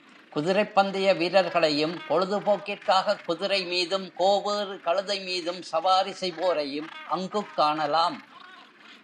குதிரைப் பந்தய வீரர்களையும், பொழுது போக்கிற்காகக் குதிரை மீதும், கோவேறு கழுதை மீதும் சவாரி செய்வோரையும் அங்குக் காணலாம்.